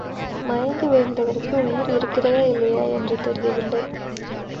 மயங்கி விழுந்தவருக்கு உயிர் இருக்கிறதா இல்லையா என்று தெரியவில்லை.